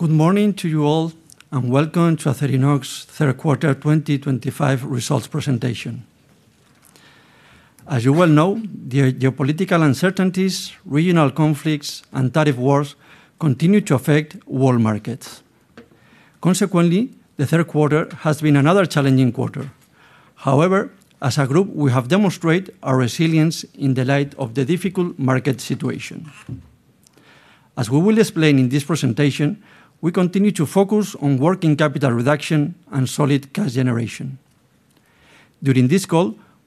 Good morning to you all, and welcome to Acerinox third quarter 2025 results presentation. As you know, geopolitical uncertainties, regional conflicts, and tariff wars continue to affect world markets. Consequently, the third quarter has been another challenging quarter. However, as a group, we have demonstrated resilience in the face of the difficult market situation. During this call,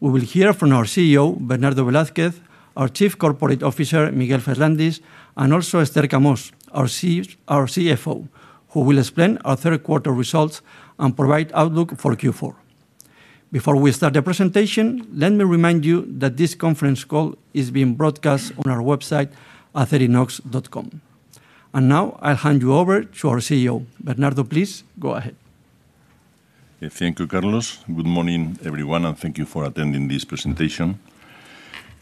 you will hear from our CEO, Bernardo Velázquez Herreros; our Chief Corporate Officer, Miguel Ferrandis Torres; and our CFO, Esther Camós, who will explain the third-quarter results and provide the Q4 outlook. Before we start, please note that this conference call is being broadcast on our website, acerinox.com. I now hand over to our CEO, Bernardo Velázquez Herreros. Thank you, Carlos. Good morning, everyone, and thank you for attending this presentation.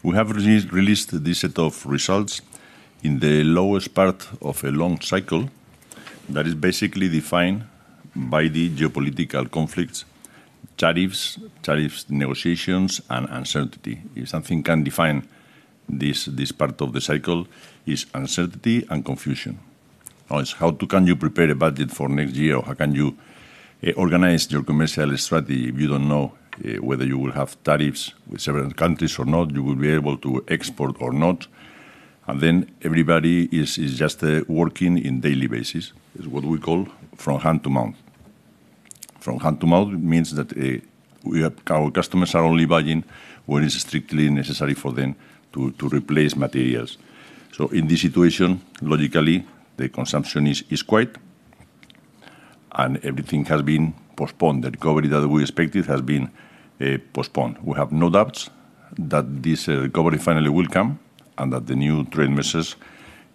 We have released these results at the lowest point of a long cycle, defined by geopolitical conflicts, tariffs, and uncertainty. If one word can define this part of the cycle, it is uncertainty. How can you prepare a budget for next year? How can you organize your commercial strategy if you do not know whether tariffs will apply with certain countries? Everyone is working on a daily basis what we call “hand to mouth.” From hand to mouth means customers purchase only when strictly necessary to replace materials. Consequently, consumption is slow, and many decisions have been postponed. The recovery that we expected has been postponed. We are confident that it will come and that upcoming trade measures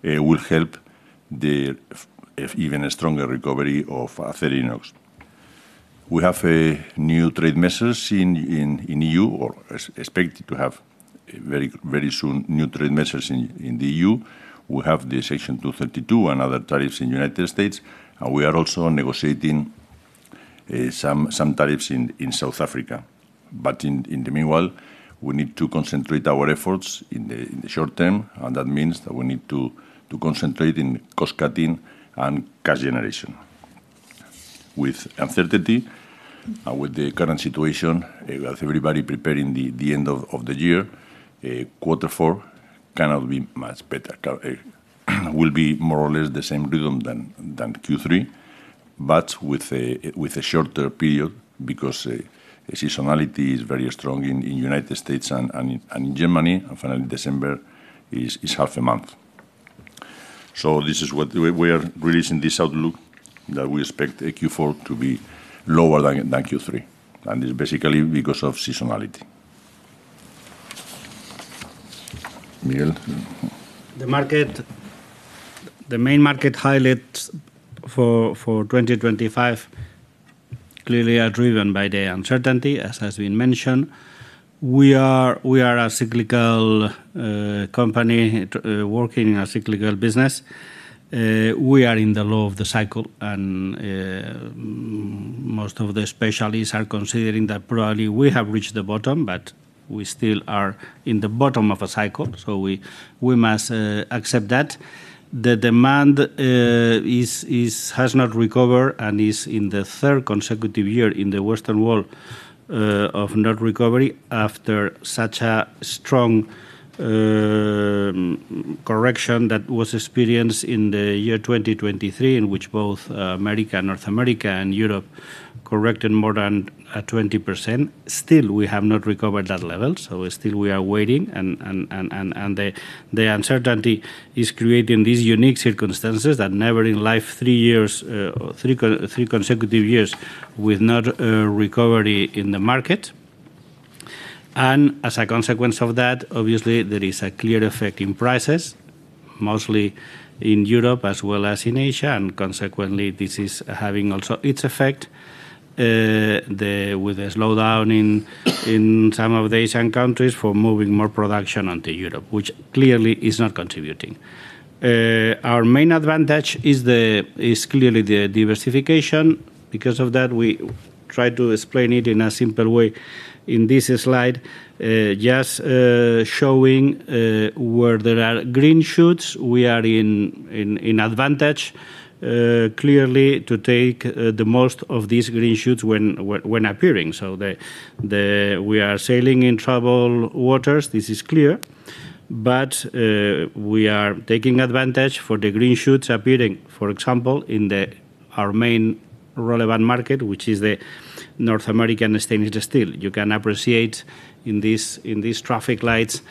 will support an even stronger recovery for Acerinox. New trade measures in the EU are expected very soon. Section 232 and other tariffs in the United States are in place, and some tariffs are also being negotiated in South Africa. Meanwhile, we need to focus on short-term efforts, particularly cost-cutting and cash generation. Given the current uncertainty, and as everyone prepares for the year-end, Q4 is expected to be similar or slightly weaker. Q4 will likely follow a similar rhythm to Q3 but for a shorter period due to strong seasonality in the United States and Germany; December is effectively a half-month. This outlook anticipates Q4 to be lower than Q3, primarily due to seasonality. Miguel, over to you. The main market highlights for 2025 are clearly driven by uncertainty. We are a cyclical company operating in a cyclical business. We are at the bottom of the cycle, and most specialists consider that we have probably reached the lowest point. Demand has not recovered and is in the third consecutive year of no net recovery in Western markets after the strong correction experienced in 2023, when North America and Europe both corrected by more than 20%. We have not yet returned to those levels, and ongoing uncertainty is creating unique circumstances not seen before in three consecutive years without market recovery. As a consequence, there is a clear effect on prices, mostly in Europe and Asia. This slowdown is also due to some Asian countries moving production into Europe, which does not contribute positively. Our main advantage is diversification. On this slide, we show where green shoots are appearing. We are taking advantage of these opportunities, particularly in our most relevant market, North American stainless steel. Inventory levels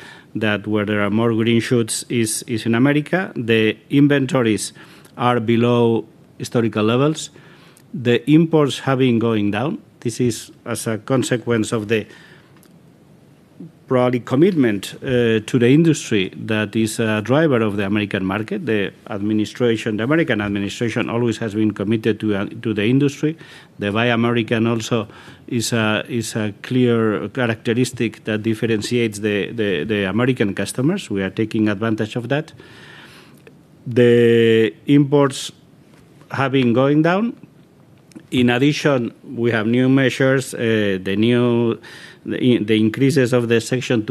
there are below historical norms. imports have been declining, likely due to the commitment of the American administration to the industry. The “Buy American” initiative differentiates American customers. Section 232 increases have also positively impacted prices. This market has shown earlier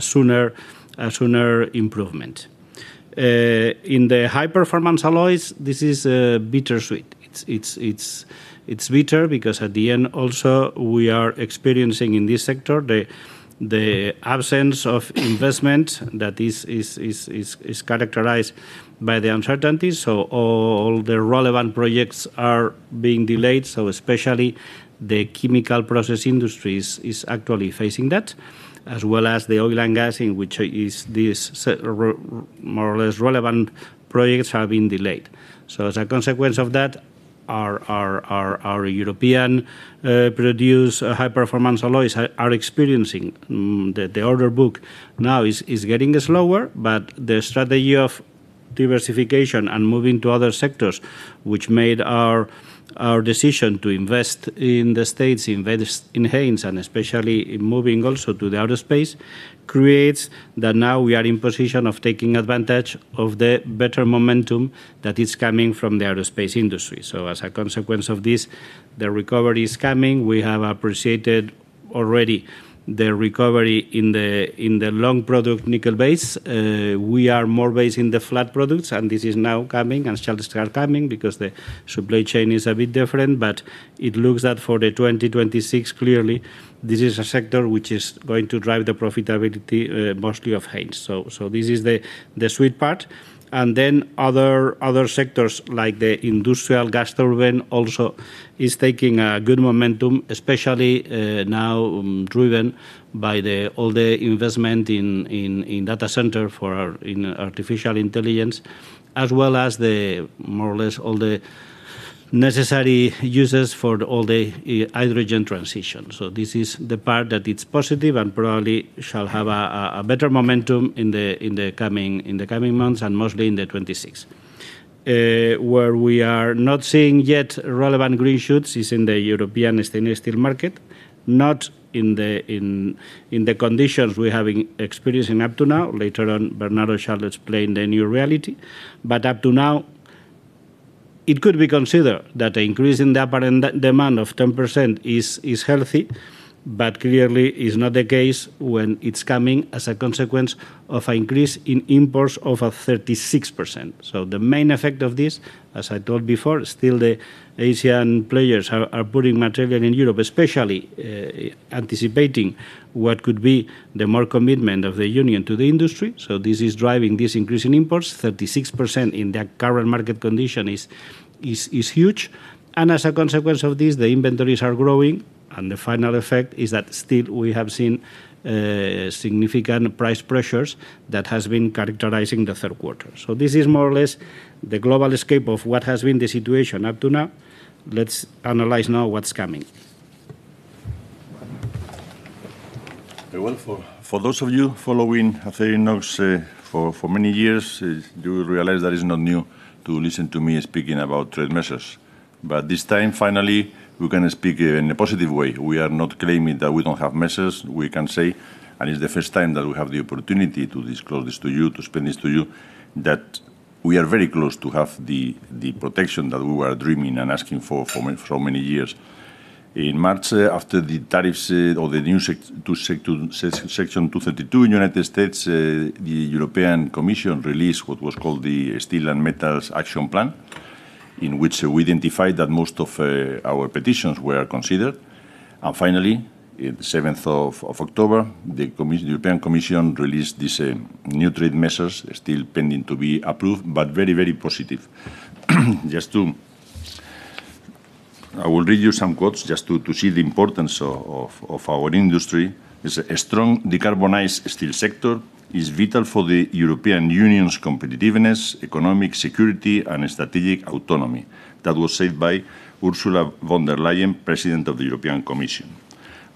signs of improvement. In high-performance alloys, the situation is bittersweet: investment is absent due to uncertainty, and many relevant projects, particularly in the chemical process industry, oil, and gas sectors, have been delayed. As a result, European-produced high-performance alloys see slower order books. However, our diversification strategy including investment in Haynes in the U.S. and expansion into aerospace positions us to benefit from improving momentum in aerospace. Recovery is already visible in long-product nickel-base materials, and flat products are also gaining momentum, despite differences in the supply chain. Looking at 2026, the high-performance alloys segment will likely drive profitability, especially for Haynes. Other sectors, like industrial gas turbines, are gaining momentum, supported by investments in data centers for artificial intelligence and by hydrogen transition projects. This is positive and expected to accelerate in the coming months and into 2026. In contrast, the European stainless steel market has yet to show meaningful recovery. Bernardo Velázquez Herreros will explain the new reality in more detail. So far, an increase in demand of about 10% could seem healthy, but it is not, because imports have grown by 36%. Asian players continue to supply material to Europe, anticipating stricter EU measures. This growth in imports pressures inventories and keeps prices under stress. This has characterized Q3 globally. Now, let’s analyze what is coming. For long-time followers of Acerinox, trade measures are not new. This time, however, we can speak positively. We are very close to achieving the protections we have sought for years. In March, after the new Section 232 in the United States, the European Commission released the Steel and Metals Action Plan, in which most of our petitions were considered. On October 7, the European Commission announced new trade measures, still pending approval, but highly positive. I will read some quotes to show the importance of our industry. Ursula von der Leyen, President of the European Commission, said: “A strong decarbonized steel sector is vital for the European Union's competitiveness, economic security, and strategic autonomy.” Séjourné, Executive Vice President for Prosperity and Industrial Strategy, said: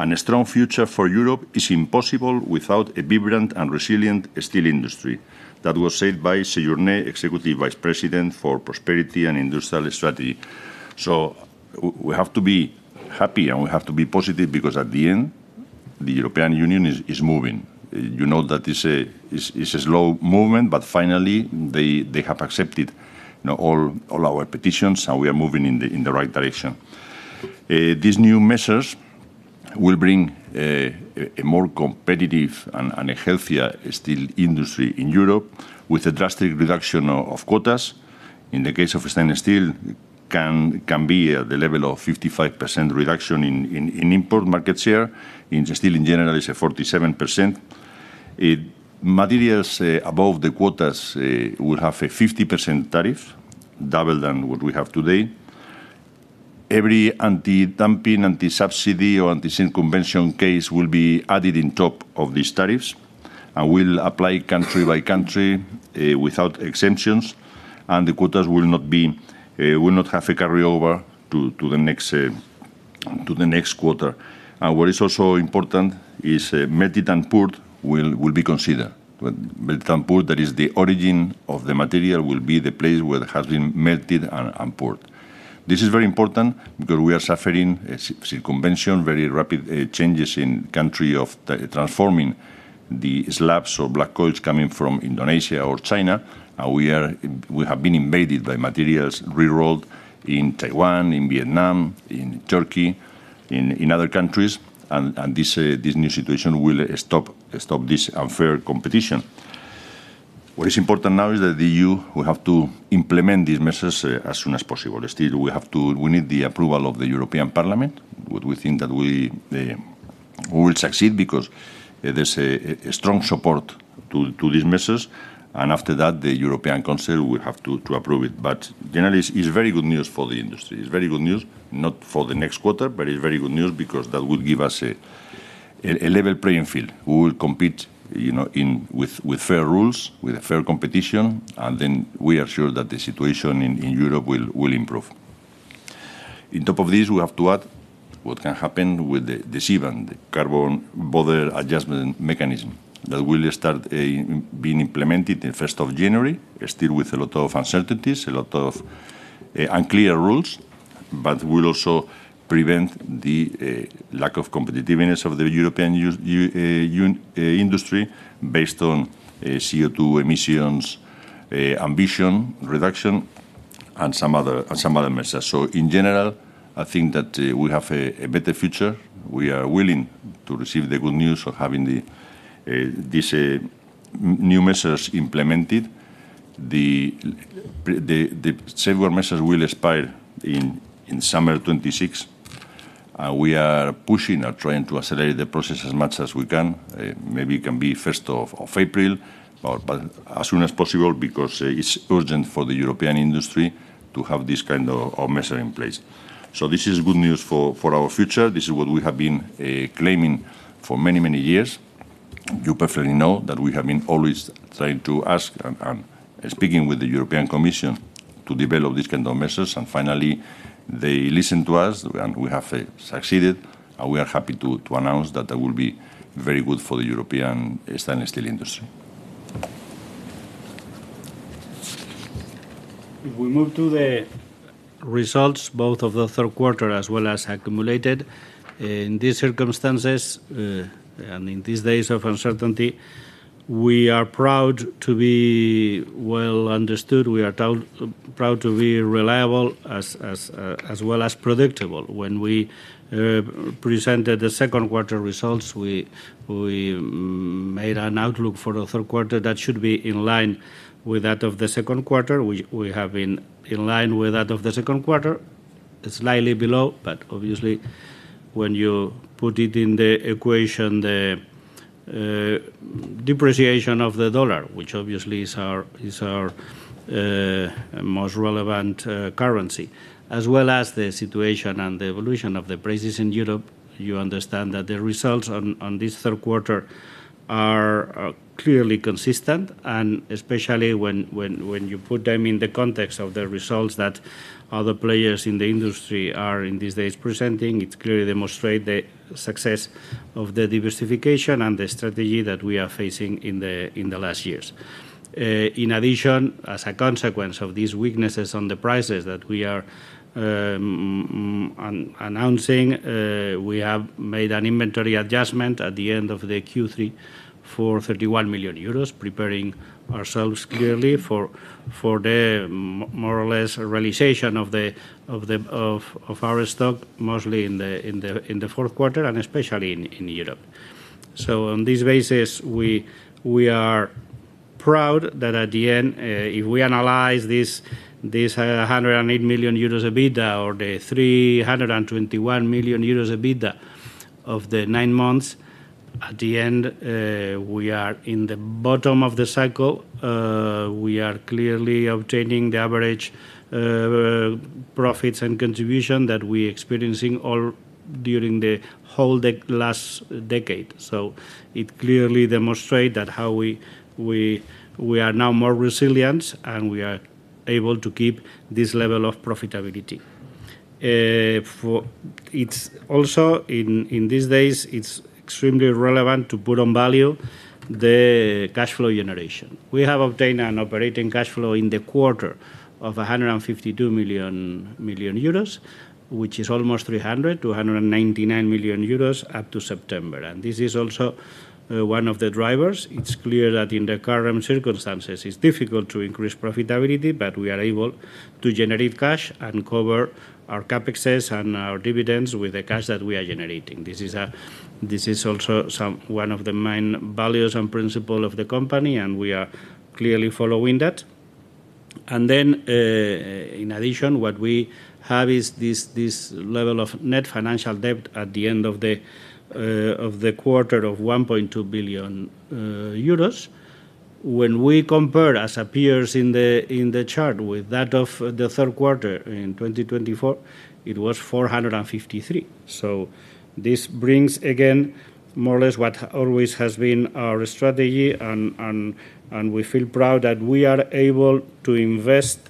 “A strong future for Europe is impossible without a vibrant and resilient steel industry.” We should be encouraged, because the EU is moving in the right direction. These new measures will create a more competitive and healthier steel industry in Europe, with a drastic reduction in quotas. In the case of stainless steel, it can be at the level of 55% reduction in import market share. In steel in general, it's at 47%. Materials above the quotas will have a 50% tariff, double than what we have today. Every anti-dumping, anti-subsidy, or anti-sink convention case will be added on top of these tariffs and will apply country by country without exemptions, and the quotas will not have a carryover to the next quarter. What is also important is melted and poured will be considered. Melted and poured, that is, the origin of the material will be the place where it has been melted and poured. This is very important because we are suffering a sink convention, very rapid changes in the country of transforming the slabs or black coals coming from Indonesia or China, and we have been invaded by materials rerolled in Taiwan, Vietnam, Turkey, and other countries. This new situation will stop this unfair competition. What is important now is that the EU will have to implement these measures as soon as possible. Still, we need the approval of the European Parliament. We think that we will succeed because there is strong support for these measures, and after that, the European Council will have to approve it. Generally, this is very good news for the industry not for the next quarter, but because it gives a level playing field. We will compete with fair rules and fair competition, and we are confident that the situation in Europe will improve. On top of this, we have to consider what can happen with the Carbon Border Adjustment Mechanism (CBAM), which will start being implemented on the 1st of January, still with many uncertainties and unclear rules. This will also prevent the lack of competitiveness of the European industry based on CO2 emissions, ambition, reduction, and other measures. In general, I think that we have a better future. We are ready to receive the good news of having these new measures implemented. The safeguard measures will expire in summer 2026. We are pushing to accelerate the process as much as we can. Maybe it can be 1st of April, but as soon as possible because it's urgent for the European industry to have these measures in place. This is good news for our future. This is what we have been claiming for many years. You know that we have always tried to ask and speak with the European Commission to develop these measures, and finally, they listened to us. We are happy to announce that this will be very good for the European stainless steel industry. If we move to the results, both for the third quarter as well as accumulated, in these circumstances and days of uncertainty, we are proud to be well understood. We are proud to be reliable as well as predictable. When we presented the second quarter results, we made an outlook for the third quarter that should be in line with that of the second quarter. We have been in line with that, slightly below, but when you factor in the depreciation of the dollar our most relevant currency and the situation and evolution of prices in Europe, you understand that the third-quarter results are clearly consistent. Especially when you put them in the context of the results that other players in the industry are in these days presenting, it clearly demonstrates the success of our diversification and strategy in recent years. In addition, due to the weaknesses in prices that we are announcing, we made an inventory adjustment at the end of Q3 for €31 million, preparing for the realization of our stock, mostly in the fourth quarter and especially in Europe. On this basis, we are proud that at the end, if we analyze the €108 million EBITDA or the €321 million EBITDA for the nine months, we are at the bottom of the cycle. We are clearly obtaining the average profits and contributions experienced over the last decade. This clearly demonstrates that we are now more resilient and able to maintain this level of profitability. Also, it is extremely relevant to highlight cash flow generation. We obtained operating cash flow of €152 million in the quarter, almost €300 million (€299 million) up to September. This is a key driver. In the current circumstances, it's difficult to increase profitability, but we are able to generate cash and cover CapEx and dividends with the cash generated. This is one of the main values and principles of the company. Additionally, net financial debt at the end of the quarter is €1.2 billion. When we compare, with the third quarter in 2024, net debt was €453 million. This aligns with our strategy, and we feel proud that we can invest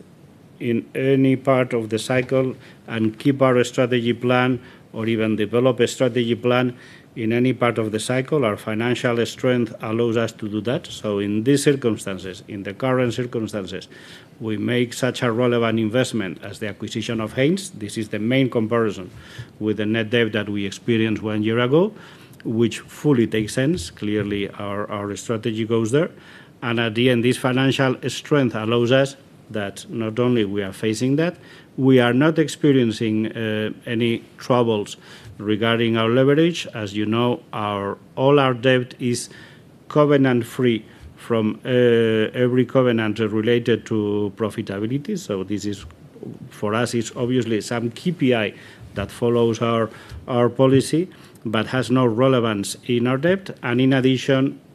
at any point in the cycle and continue our strategy plan. Our financial strength allows us to do this. In the current circumstances, we made a relevant investment the acquisition of Haynes which explains the comparison with last year’s net debt. Our strategy remains consistent. Financial strength allows us to face challenges without leverage issues All our debt is covenant-free regarding profitability. While we track some KPIs, they do not affect our debt.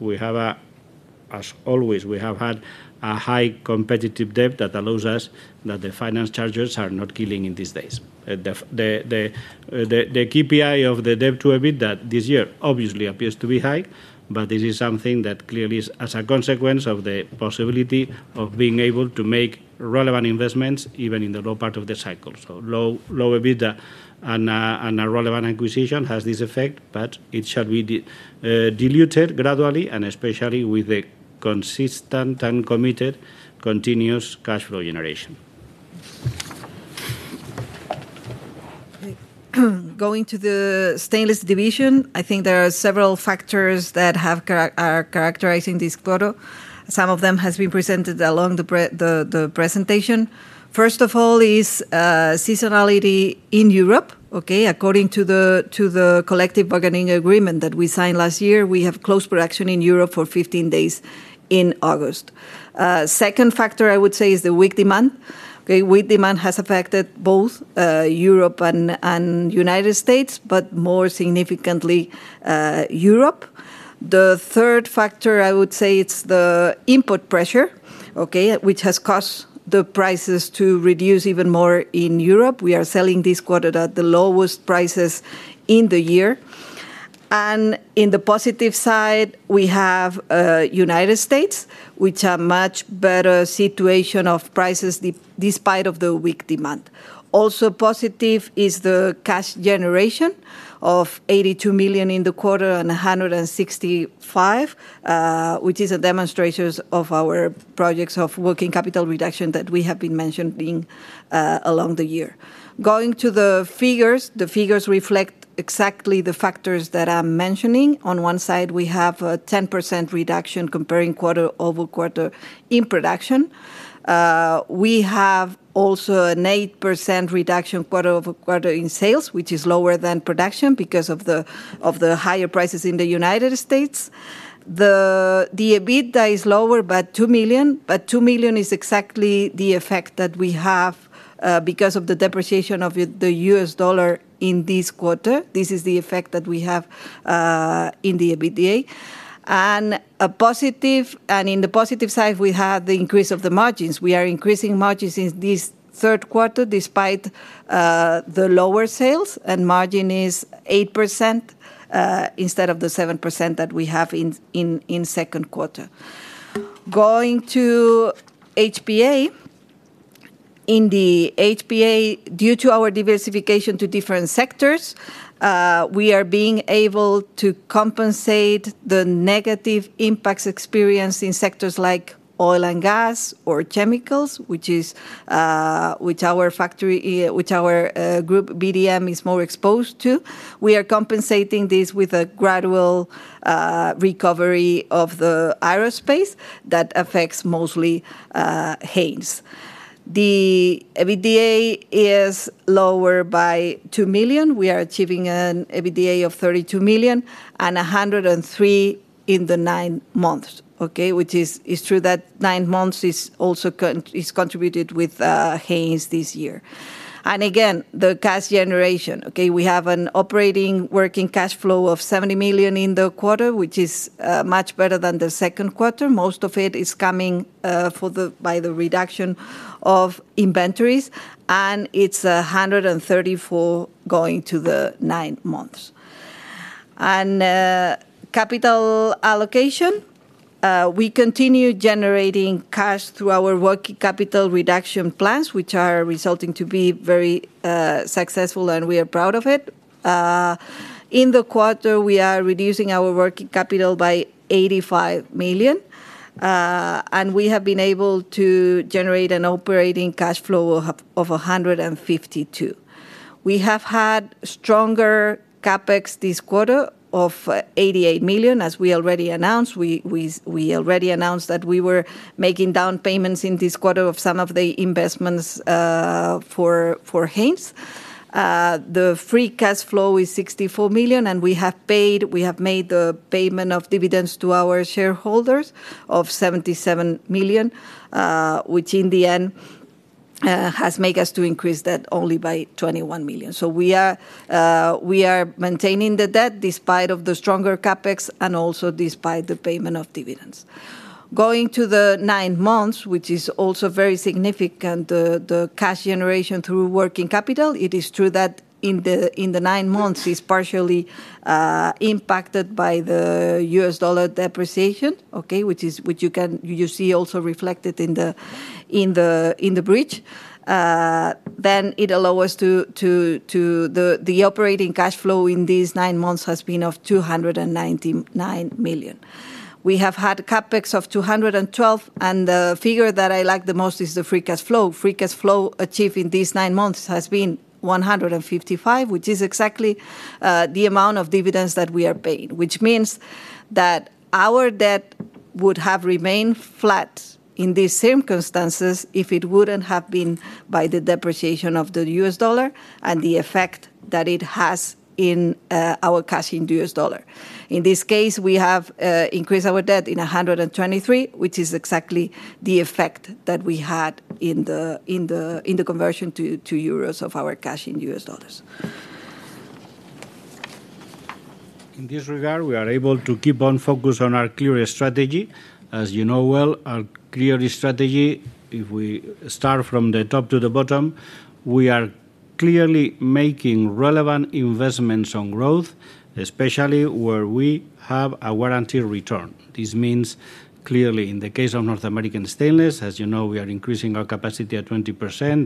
Additionally, we maintain competitive debt levels, ensuring finance charges are manageable. The debt-to-EBITDA KPI appears high this year due to the combination of low EBITDA and the Haynes acquisition, but this will gradually dilute with consistent, committed cash flow generation. In the stainless division, several factors characterize this quarter. First, seasonality in Europe according to the collective bargaining agreement signed last year, production in Europe was closed for 15 days in August. Second, weak demand, affecting both Europe and the United States, but more significantly Europe. Third, input pressure, which has caused prices to reduce even more in Europe. We are selling this quarter at the lowest prices of the year. On the positive side, the United States has much better pricing despite weak demand. Also positive is cash generation of €82 million in the quarter and €165 million accumulated, demonstrating the effectiveness of our working capital reduction projects throughout the year. Production decreased 10% quarter over quarter, and sales decreased 8% quarter over quarter, lower than production due to higher prices in the United States. EBITDA is lower by €2 million, which is exactly the effect of U.S. dollar depreciation this quarter. On the positive side, margins increased. We are increasing margins in this third quarter despite the lower sales, with margin at 8% instead of 7% in the second quarter. Going to HPA, due to our diversification into different sectors, we are compensating the negative impacts experienced in oil, gas, and chemical sectors, where our group VDM is more exposed. This is offset by gradual recovery in aerospace, which affects mostly Haynes. EBITDA is lower by €2 million, achieving €32 million this quarter and €103 million for the nine months, including contributions from Haynes. Operating working cash flow in the quarter is €70 million, better than the second quarter. Most of this is driven by inventory reduction, totaling €134 million for nine months. Regarding capital allocation, our working capital reduction plans continue to generate cash successfully. In this quarter, working capital was reduced by €85 million, generating €152 million in operating cash flow. CapEx was €88 million, including down payments for investments. Free cash flow was €64 million, and dividends of €77 million were paid, increasing debt only by €21 million. We maintained debt despite stronger CapEx and dividend payments. For the nine months, operating cash flow was €299 million, CapEx €212 million, and free cash flow €155 million, matching dividend payments. This would have kept debt flat if not for U.S. dollar depreciation. The U.S. dollar depreciation increased our debt by €123 million due to currency conversion effects. We remain focused on our strategy. At North American Stainless, capacity is increasing by 20%,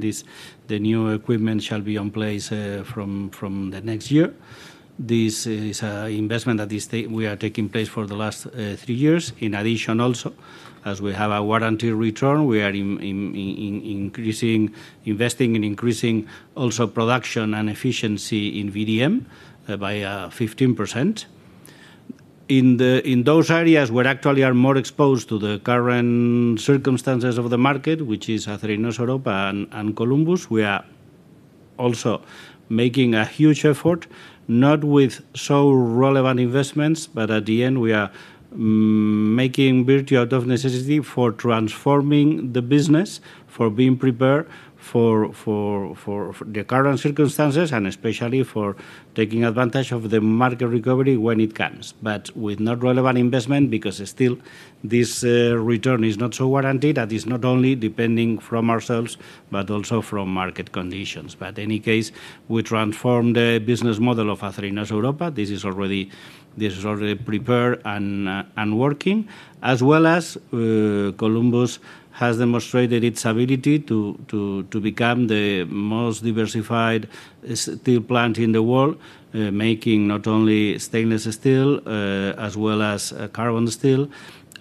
with new equipment in place next year. VDM is increasing production and efficiency by 15%. In Acerinox Europe and Columbus, we are transforming the business, preparing for current market circumstances and future recovery. Columbus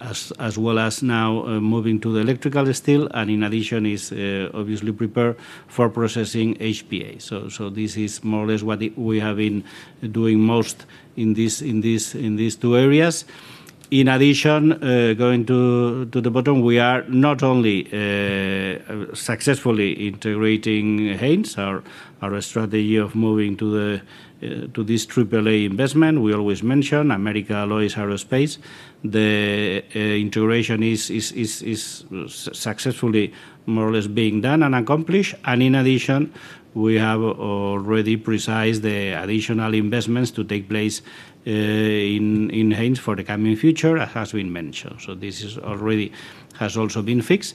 is now producing stainless, carbon, and electrical steels. We are also prepared for high-performance alloys processing. Haynes integration is successful, with additional investments planned for the future. We continue strict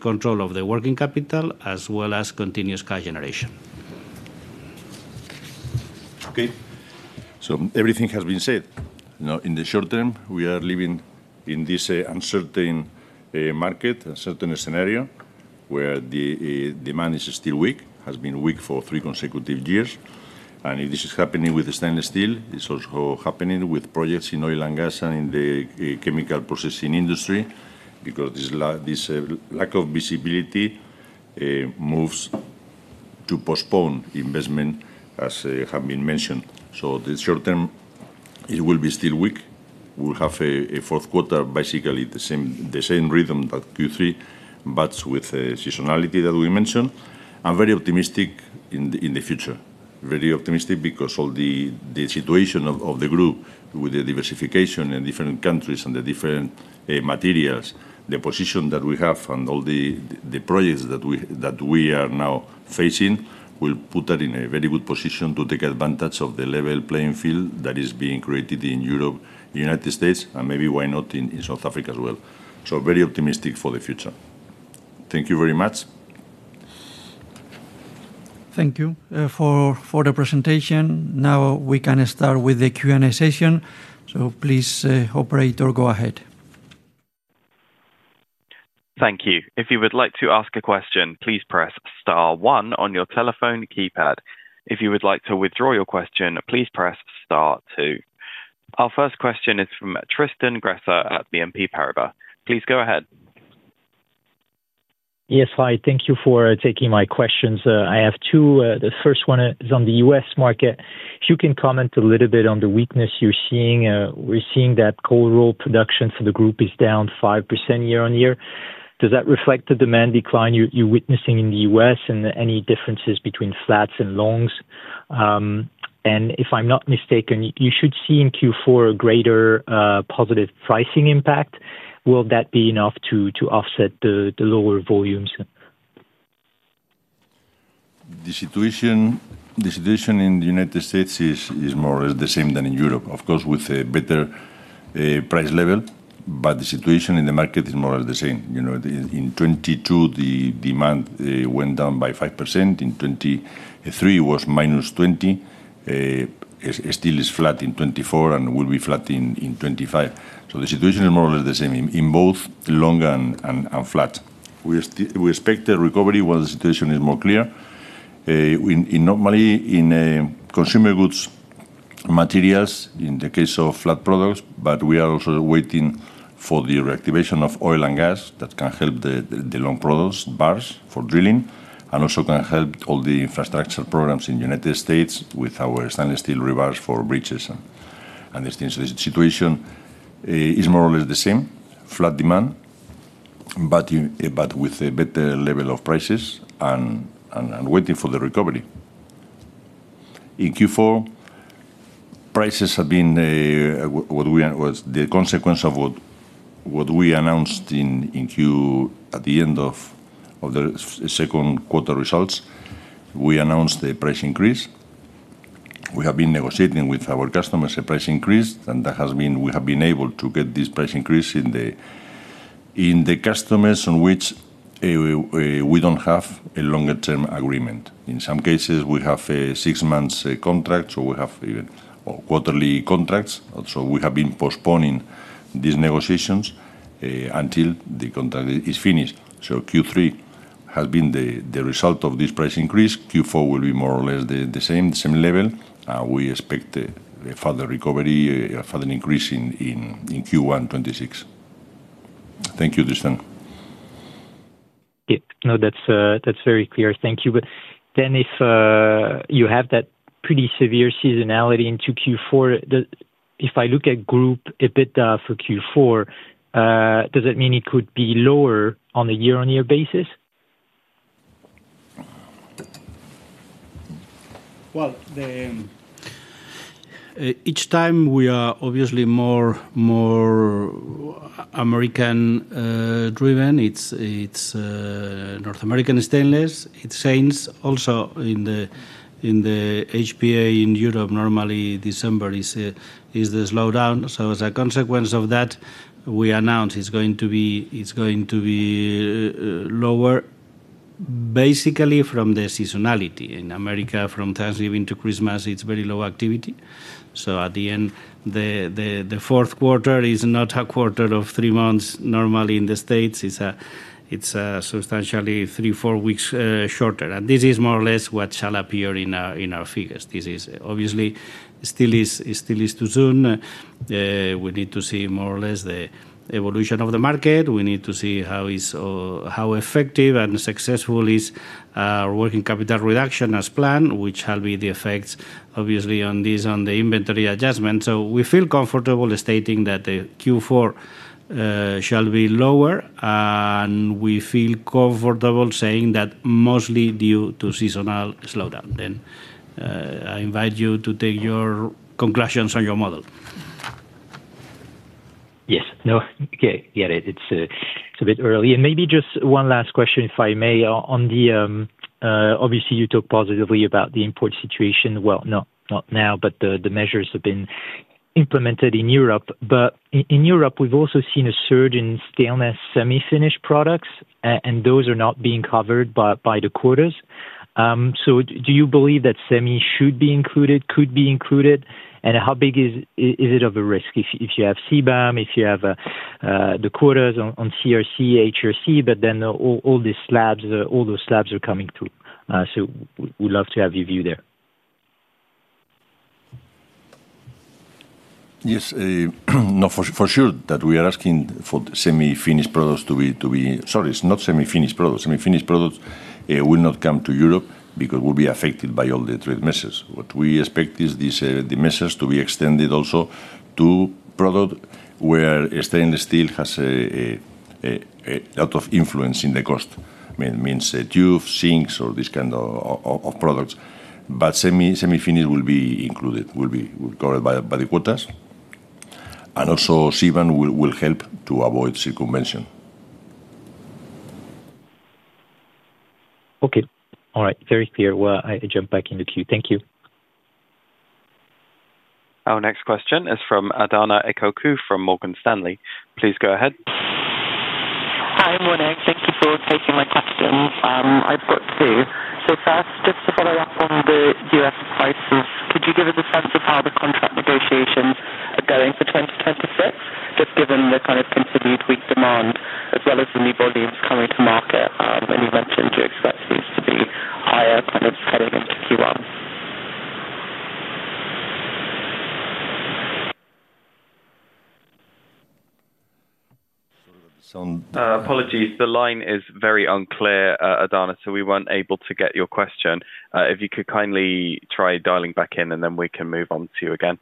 control of working capital and cash generation. In the short term, demand remains weak after three consecutive years. Q4 will follow the same rhythm as Q3, considering seasonality. I remain very optimistic about the future. The group’s diversification across countries and materials, along with ongoing projects, positions us well to benefit from the emerging level playing field in Europe, the U.S., and possibly South Africa. Thank you for the presentation. We can now start the Q&A session. Please, operator. Thank you. To ask a question, press star one. To withdraw, press star two. Our first question is from Tristan Gresser at BNP Paribas Exane. Please go ahead.. Yes, hi. Thank you for taking my questions. First, on the U.S. market, cold roll production is down 5% year on year. Does this reflect the demand decline in the U.S.? Any differences between flats and longs? Will Q4 positive pricing offset lower volumes? The U.S. situation is similar to Europe, with better pricing. Demand fell 5% in 2022, minus 20% in 2023, and flat in 2024 and 2025. Both long and flat products are affected. Recovery is expected, particularly in consumer goods for flat products, reactivation in oil and gas for long products, and U.S. infrastructure projects, including stainless steel rebars for bridges. The situation is roughly the same, flat demand, but with better price levels while waiting for recovery. In Q4, prices reflect the increase announced at the end of Q2. We have negotiated price increases with customers where no long-term agreements exist, including six-month or quarterly contracts. Q3 reflects this price increase. Q4 is expected to maintain similar levels, with further recovery and increases expected in Q1 2026. Thank you, Tristan With severe seasonality into Q4, does this mean group EBITDA could be lower year-on-year? Operations are more U.S.-driven at North American Stainless and in high-performance alloys in Europe. December is usually slower. In America, activity drops from Thanksgiving to Christmas, making Q4 effectively shorter by three to four weeks. The market evolution and effectiveness of working capital reductions will influence the inventory adjustment. We feel comfortable stating that the Q4 shall be lower, and we feel comfortable saying that mostly due to seasonal slowdown. I invite you to take your conclusions on your model. One last question: Regarding the import situation and measures in Europe, stainless semi-finished products aren’t covered by quotas. Should semi-finished products be included, and what risk exists with CBAM and quotas on CRC and HRC if slabs continue coming through? We are asking for semi-finished products to be included. Semi-finished products will be covered by trade measures. We expect products with high stainless cost influence, such as tubes and sinks, to be included. CBAM will help avoid circumvention. Okay. All right. Very clear. I jump back into queue. Thank you. Our next question is from Adahna Ekoku from Morgan Stanley. Please go ahead. Hi, Morgan. Thank you for taking my questions. I've got two. First, just to follow up on the U.S. prices, could you give us a sense of how the contract negotiations are going for 2026, just given the kind of continued weak demand as well as the new volumes coming to market? You mentioned your expectations to be higher heading into Q1. Apologies, the line is very unclear, Adahna, so we weren't able to get your question. If you could kindly try dialing back in, and then we can move on to you again.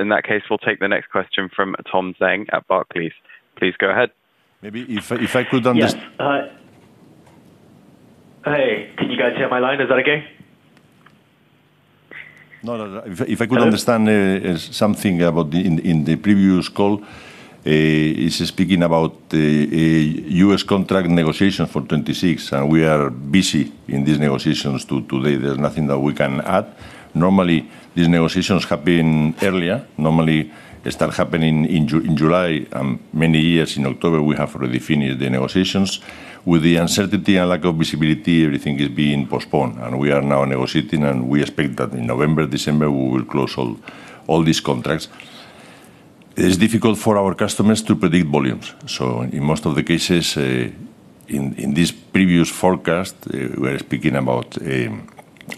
In that case, we'll take the next question from Tom Zhang at Barclays Bank PLC. Please go ahead. Maybe if I could understand. Hi, can you guys hear my line? Is that okay? If I could understand something in the previous call, it's speaking about U.S. contract negotiations for 2026. We are busy in these negotiations today. There's nothing that we can add. Normally, these negotiations happen earlier. Normally, it starts happening in July. Many years in October, we have already finished the negotiations. With the uncertainty and lack of visibility, everything is being postponed. We are now negotiating, and we expect that in November, December, we will close all these contracts. It's difficult for our customers to predict volumes. In most of the cases in this previous forecast, we're speaking about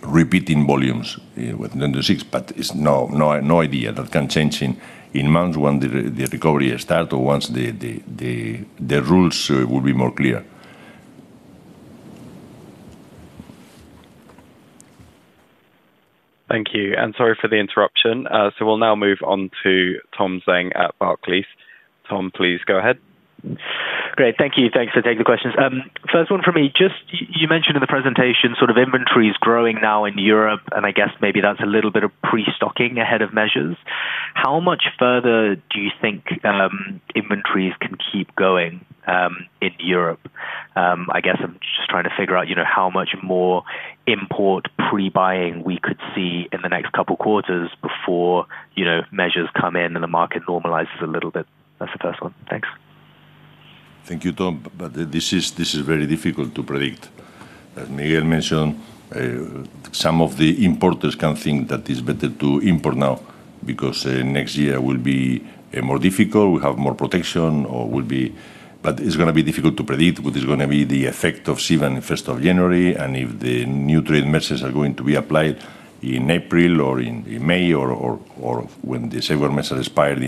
repeating volumes with 2026, but it's no idea. That can change in months when the recovery starts or once the rules will be more clear. Thank you. Sorry for the interruption. We'll now move on to Tom Zhang at Barclays. Tom, please go ahead. Great. Thank you. Thanks for taking the questions. First one for me. You mentioned in the presentation sort of inventories growing now in Europe, and I guess maybe that's a little bit of pre-stocking ahead of measures. How much further do you think inventories can keep going in Europe? I guess I'm just trying to figure out how much more import pre-buying we could see in the next couple of quarters before measures come in and the market normalizes a little bit. That's the first one. Thanks. Thank you, Tom. This is very difficult to predict, as Miguel mentioned. Some of the importers can think that it's better to import now because next year will be more difficult. We have more protection, or it's going to be difficult to predict what is going to be the effect of CBAM on the first of January, and if the new trade messages are going to be applied in April or in May, or when the safeguard message expires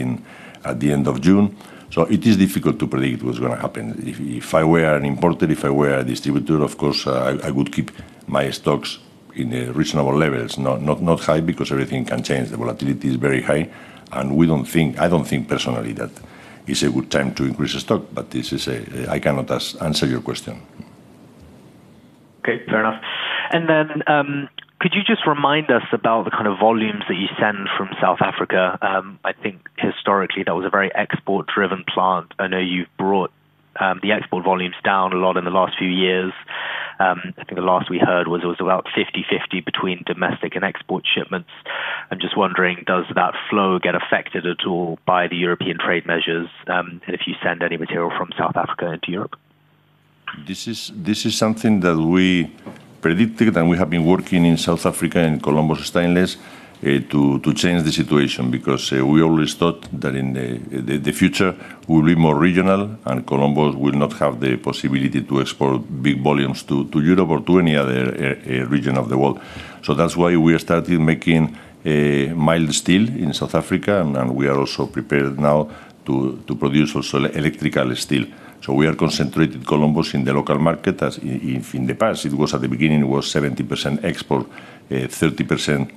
at the end of June. It is difficult to predict what's going to happen. If I were an importer, if I were a distributor, of course, I would keep my stocks at reasonable levels, not high because everything can change. The volatility is very high. I don't think personally that it's a good time to increase the stock, but I cannot answer your question. Okay. Fair enough. Could you just remind us about the kind of volumes that you send from South Africa? I think historically, that was a very export-driven plant. I know you've brought the export volumes down a lot in the last few years. I think the last we heard was it was about 50-50 between domestic and export shipments. I'm just wondering, does that flow get affected at all by the European trade measures if you send any material from South Africa into Europe? This is something that we predicted, and we have been working in South Africa and Columbus Stainless to change the situation because we always thought that in the future we will be more regional, and Columbus will not have the possibility to export big volumes to Europe or to any other region of the world. That's why we are starting making mild steel in South Africa, and we are also prepared now to produce also electrical steel. We are concentrating Columbus in the local market. In the past, at the beginning, it was 70% export, 30%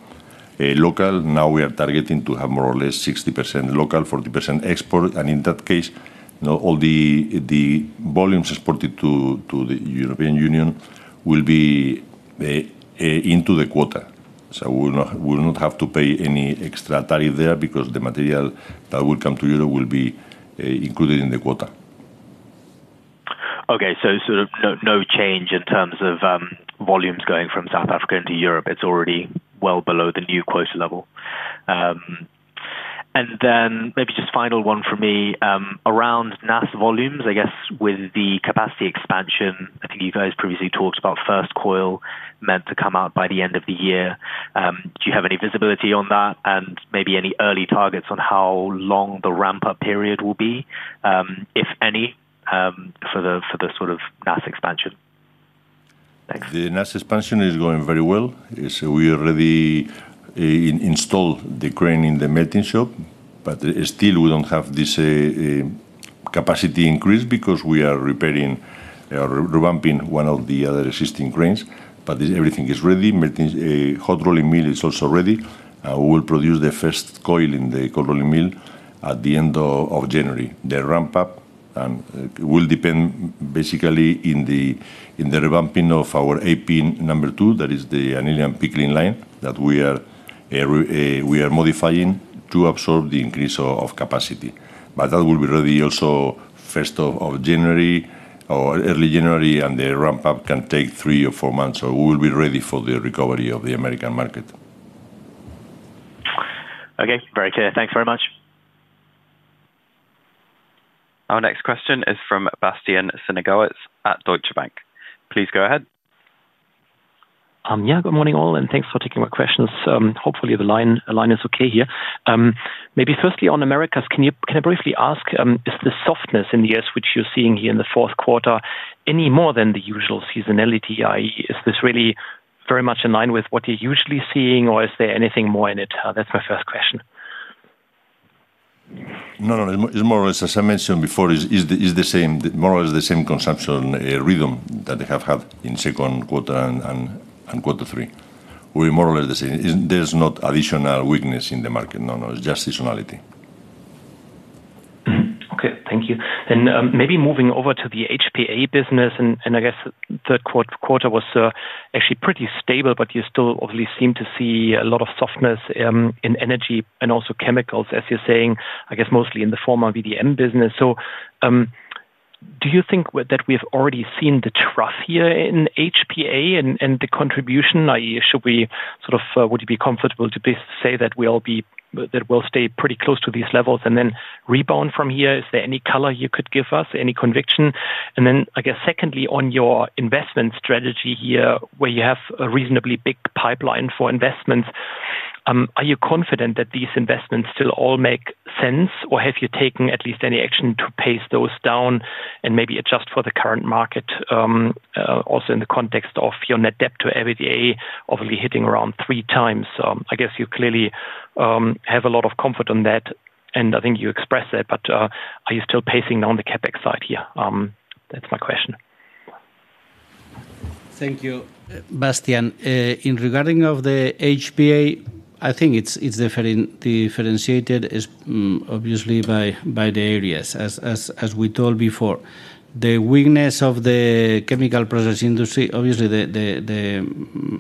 local. Now we are targeting to have more or less 60% local, 40% export. In that case, all the volumes exported to the European Union will be into the quota. We will not have to pay any extra tariff there because the material that will come to Europe will be included in the quota. Okay. No change in terms of volumes going from South Africa into Europe. It's already well below the new quota level. Maybe just final one for me. Around NAS volumes, I guess, with the capacity expansion, I think you guys previously talked about first coil meant to come out by the end of the year. Do you have any visibility on that and maybe any early targets on how long the ramp-up period will be, if any, for the NAS expansion? Thanks. The NAS expansion is going very well. We already installed the crane in the melting shop, but still we don't have this capacity increase because we are repairing or revamping one of the other existing cranes. Everything is ready. Hot rolling mill is also ready. We will produce the first coil in the cold rolling mill at the end of January. The ramp-up will depend basically on the revamping of our AP number two, that is the annealing and pickling line that we are modifying to absorb the increase of capacity. That will be ready also first of January or early January, and the ramp-up can take three or four months. We will be ready for the recovery of the American market. Okay. Very clear. Thanks very much. Our next question is from Bastian Synagowitz at Deutsche Bank AG. Please go ahead. Good morning, all, and thanks for taking my questions. Hopefully, the line is okay here. Maybe firstly on Americas, can I briefly ask, is the softness in the U.S., which you're seeing here in the fourth quarter, any more than the usual seasonality? Is this really very much in line with what you're usually seeing, or is there anything more in it? That's my first question. No, no. It's more or less, as I mentioned before, it's the same, more or less the same consumption rhythm that they have had in the second quarter and quarter three. We're more or less the same. There's not additional weakness in the market. It's just seasonality. Okay. Thank you. Maybe moving over to the HPA business, I guess the third quarter was actually pretty stable, but you still obviously seem to see a lot of softness in energy and also chemicals, as you're saying, mostly in the former VDM business. Do you think that we have already seen the trough here in HPA and the contribution? Should we sort of, would you be comfortable to say that we'll stay pretty close to these levels and then rebound from here? Is there any color you could give us, any conviction? Secondly, on your investment strategy here, where you have a reasonably big pipeline for investments, are you confident that these investments still all make sense, or have you taken at least any action to pace those down and maybe adjust for the current market, also in the context of your net debt to EBITDA obviously hitting around 3 times? You clearly have a lot of comfort on that, and I think you expressed that, but are you still pacing down the CapEx side here? That's my question. Thank you. Bastian, regarding the HPA, I think it's differentiated, obviously by the areas, as we told before. The weakness of the chemical process industry, the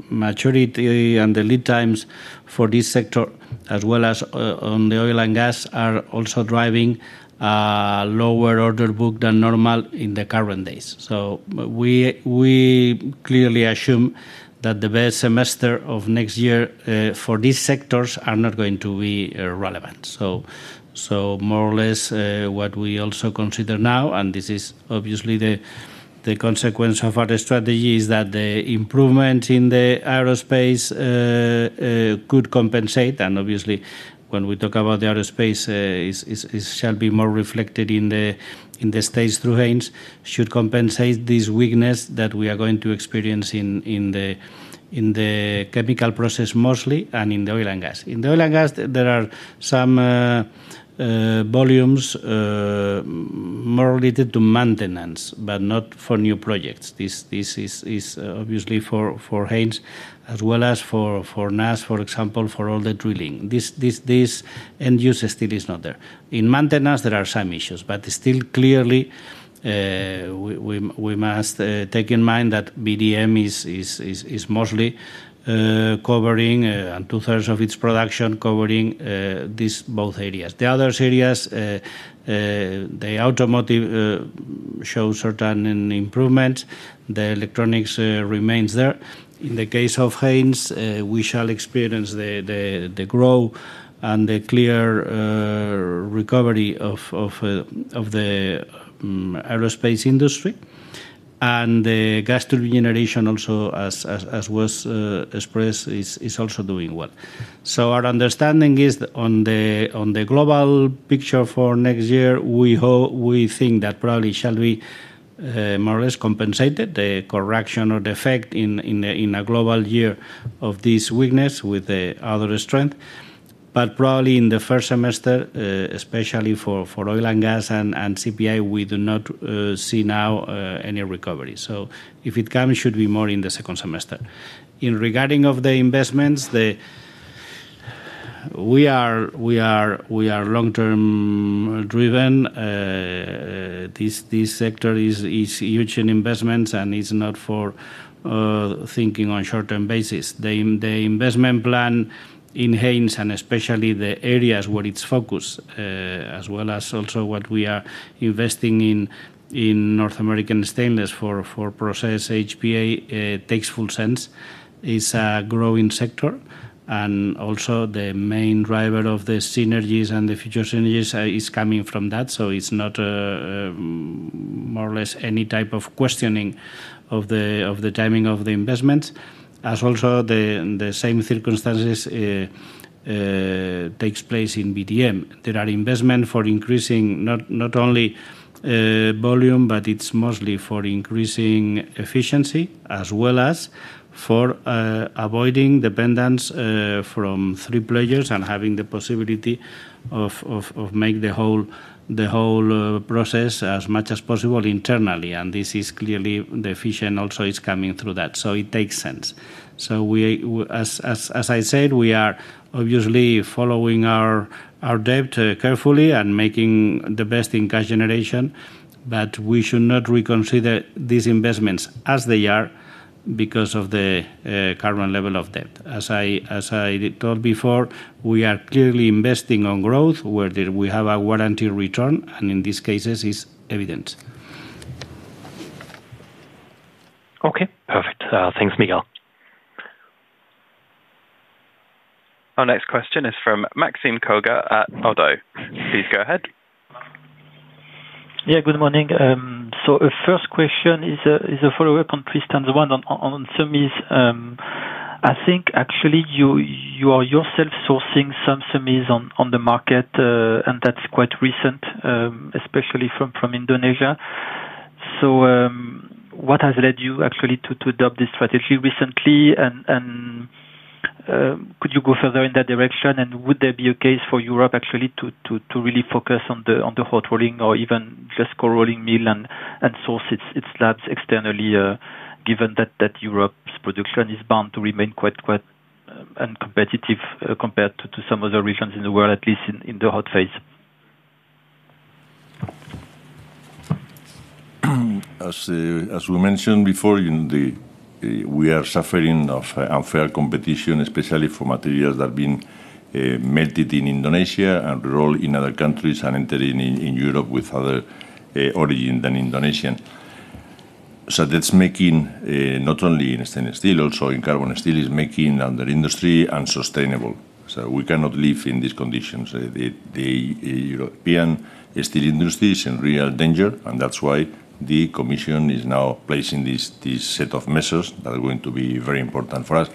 maturity and the lead times for this sector, as well as on the oil and gas, are also driving lower order book than normal in the current days. We clearly assume that the best semester of next year for these sectors is not going to be relevant. More or less what we also consider now, and this is obviously the consequence of our strategy, is that the improvement in the aerospace could compensate. Obviously, when we talk about the aerospace, it shall be more reflected in the United States through Haynes, should compensate this weakness that we are going to experience in the chemical process mostly and in the oil and gas. In the oil and gas, there are some volumes more related to maintenance, but not for new projects. This is obviously for Haynes as well as for North American Stainless, for example, for all the drilling. This end-use still is not there. In maintenance, there are some issues, but still clearly we must take in mind that VDM is mostly covering, and two-thirds of its production covering both areas. The other areas, the automotive, show certain improvements. The electronics remains there. In the case of Haynes, we shall experience the growth and the clear recovery of the aerospace industry. The gas turbine generation, also as was expressed, is also doing well. Our understanding is on the global picture for next year, we think that probably shall be more or less compensated, the correction or the effect in a global year of this weakness with the other strength. Probably in the first semester, especially for oil and gas and chemical process industry, we do not see now any recovery. If it comes, it should be more in the second semester. Regarding the investments, we are long-term driven. This sector is huge in investments, and it's not for thinking on a short-term basis. The investment plan in Haynes and especially the areas where it's focused, as well as also what we are investing in North American Stainless for process HPA, takes full sense. It's a growing sector, and also the main driver of the synergies and the future synergies is coming from that. It's not more or less any type of questioning of the timing of the investments, as also the same circumstances take place in VDM. There are investments for increasing not only. Volume, but it's mostly for increasing efficiency, as well as for avoiding dependence from three players and having the possibility of making the whole process as much as possible internally. This is clearly the efficient also is coming through that. It takes sense. As I said, we are obviously following our debt carefully and making the best in cash generation, but we should not reconsider these investments as they are because of the current level of debt. As I told before, we are clearly investing on growth where we have a warranty return, and in these cases, it's evident. Okay. Perfect. Thanks, Miguel. Our next question is from Maxime Kogge at ODDO BHF Corporate & Markets. Please go ahead. Good morning. The first question is a follow-up on three stands one. On semis, I think actually you are yourself sourcing some semis on the market, and that's quite recent, especially from Indonesia. What has led you actually to adopt this strategy recently? Could you go further in that direction? Would there be a case for Europe actually to really focus on the hot rolling or even just cold rolling mill and source its slabs externally, given that Europe's production is bound to remain quite uncompetitive compared to some other regions in the world, at least in the hot phase? As we mentioned before, we are suffering from unfair competition, especially for materials that have been melted in Indonesia and rolled in other countries and entering in Europe with other origins than Indonesian. That's making not only in stainless steel, also in carbon steel, the industry unsustainable. We cannot live in these conditions. The European steel industry is in real danger, and that's why the Commission is now placing this set of measures that are going to be very important for us.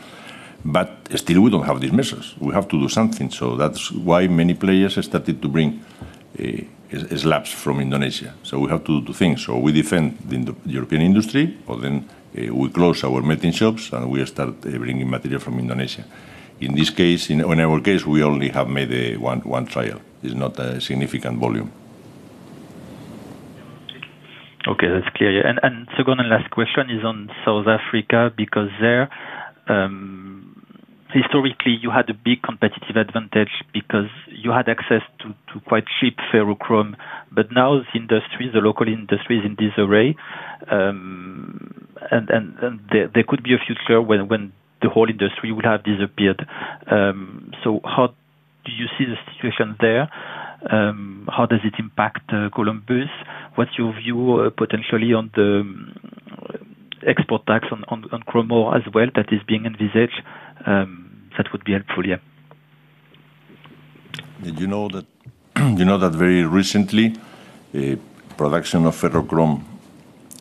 Still, we don't have these measures. We have to do something. That's why many players started to bring slabs from Indonesia. We have to do two things. We defend the European industry, but then we close our melting shops, and we start bringing material from Indonesia. In our case, we only have made one trial. It's not a significant volume. Okay. That's clear. Second and last question is on South Africa because historically, you had a big competitive advantage because you had access to quite cheap ferrochrome. Now the industry, the local industry, is in disarray. There could be a future when the whole industry will have disappeared. How do you see the situation there? How does it impact Columbus? What's your view potentially on the export tax on chrome ore as well that is being envisaged? That would be helpful, yeah. You know that very recently, production of ferrochrome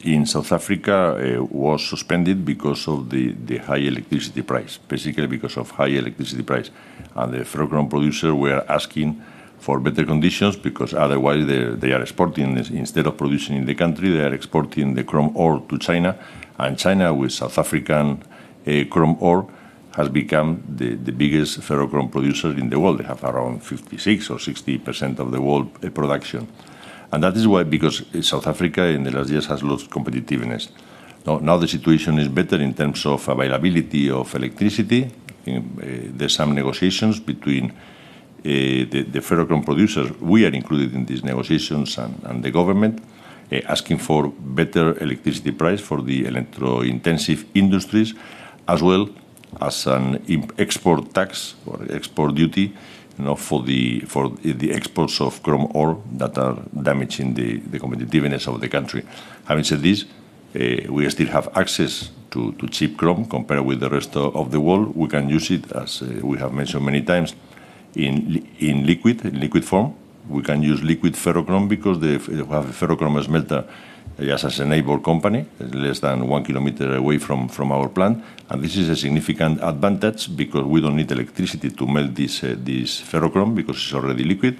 in South Africa was suspended because of the high electricity price, basically because of high electricity price. The ferrochrome producers were asking for better conditions because otherwise they are exporting. Instead of producing in the country, they are exporting the chrome ore to China. China, with South African chrome ore, has become the biggest ferrochrome producer in the world. They have around 56% or 60% of the world production. That is why, because South Africa in the last years has lost competitiveness. Now the situation is better in terms of availability of electricity. There are some negotiations between the ferrochrome producers, we are included in these negotiations, and the government, asking for better electricity price for the electro-intensive industries, as well as an export tax or export duty for the exports of chrome ore that are damaging the competitiveness of the country. Having said this, we still have access to cheap chrome compared with the rest of the world. We can use it, as we have mentioned many times, in liquid form. We can use liquid ferrochrome because we have a ferrochrome smelter just as a neighbor company, less than one kilometer away from our plant. This is a significant advantage because we don't need electricity to melt this ferrochrome because it's already liquid.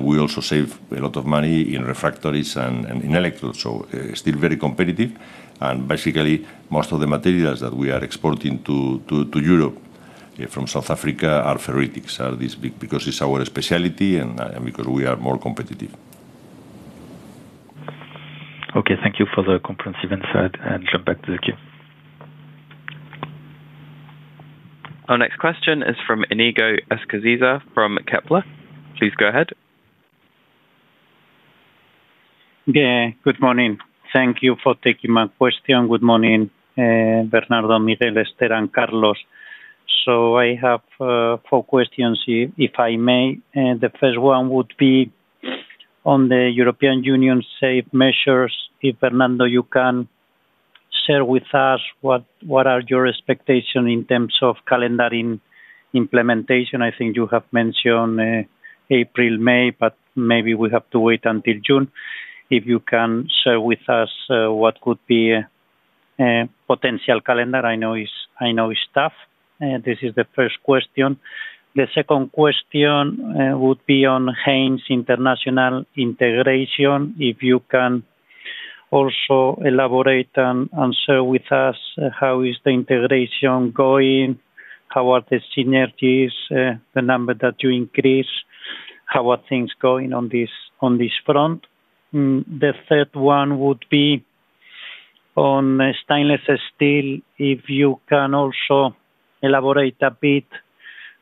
We also save a lot of money in refractories and in electrodes. Still very competitive. Basically, most of the materials that we are exporting to Europe from South Africa are ferritics, because it's our speciality and because we are more competitive. Okay. Thank you for the comprehensive insight. I'll jump back to the queue. Our next question is from Inigo Escaziza from Kepler. Please go ahead. Good morning. Thank you for taking my question. Good morning, Bernardo, Miguel, Esteban, Carlos. I have four questions, if I may. The first one would be on the European Union's safeguard measures. Fernando, can you share with us what are your expectations in terms of calendaring implementation? I think you have mentioned April, May, but maybe we have to wait until June. If you can share with us what could be a potential calendar, I know it's tough. This is the first question. The second question would be on Haynes International integration. If you can also elaborate and share with us how is the integration going, how are the synergies, the number that you increased, how are things going on this front. The third one would be on stainless steel. If you can also elaborate a bit,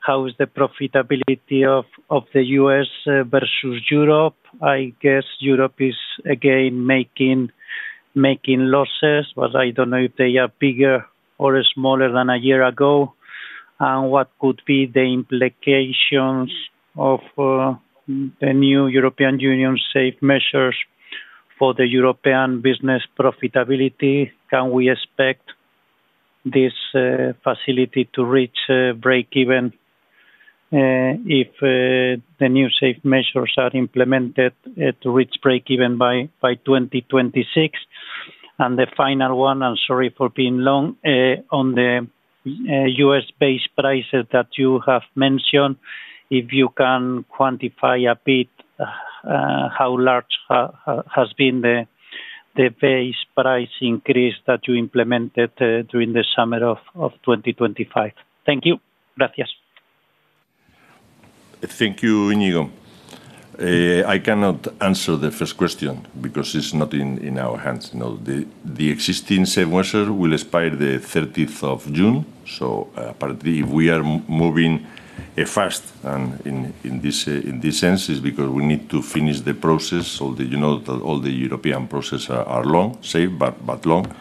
how is the profitability of the U.S. versus Europe? I guess Europe is, again, making losses, but I don't know if they are bigger or smaller than a year ago. What could be the implications of the new European Union safeguard measures for the European business profitability? Can we expect this facility to reach break-even if the new safeguard measures are implemented, to reach break-even by 2026? The final one, I'm sorry for being long, on the U.S.-based prices that you have mentioned, if you can quantify a bit, how large has been the base price increase that you implemented during the summer of 2025? Thank you. Gracias. Thank you, Inigo. I cannot answer the first question because it's not in our hands. The existing safe measures will expire the 30th of June. Apparently, if we are moving fast in this sense, it's because we need to finish the process. All the European processes are long, safe, but long,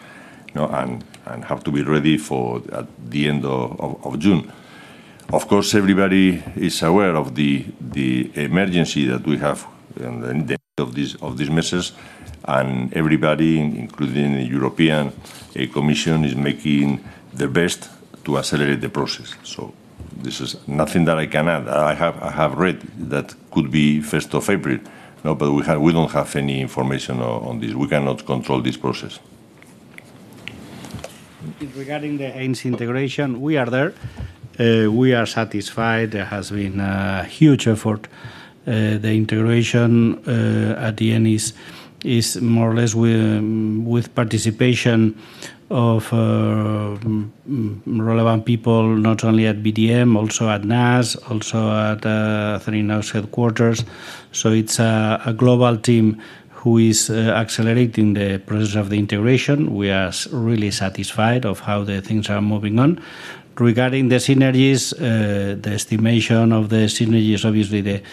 and have to be ready at the end of June. Of course, everybody is aware of the emergency that we have in the end of these measures, and everybody, including the European Commission, is making their best to accelerate the process. This is nothing that I can add. I have read that it could be 1st of April, but we don't have any information on this. We cannot control this process. Regarding the Haynes integration, we are there. We are satisfied. There has been a huge effort. The integration at the end is more or less with participation of relevant people, not only at VDM, also at North American Stainless, also at three North American Stainless headquarters. It is a global team who is accelerating the process of the integration. We are really satisfied with how things are moving on. Regarding the synergies, the estimation of the synergies, obviously